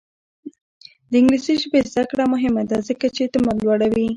د انګلیسي ژبې زده کړه مهمه ده ځکه چې اعتماد لوړوي.